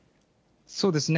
そうですね。